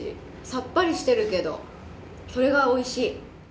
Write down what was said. さっぱりしてるけどそれがおいしい。